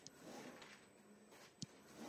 مصنوعي ځیرکتیا د ښوونې فلسفه بدلوي.